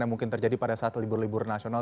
yang mungkin terjadi pada saat libur libur nasional